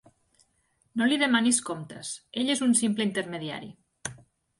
No li demanis comptes: ell és un simple intermediari.